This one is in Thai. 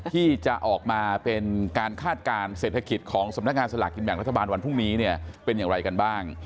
ที่จะออกมาเป็นการคาดการณ์เศรษฐกิจของสำนักงานสลากกินแบ่งรัฐบาลวันพรุ่งนี้เนี่ยเป็นอย่างไรกันบ้าง